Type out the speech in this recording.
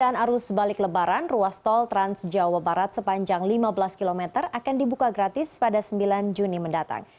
arus balik lebaran ruas tol trans jawa barat sepanjang lima belas km akan dibuka gratis pada sembilan juni mendatang